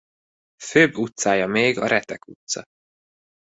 Főbb utcája még a Retek utca.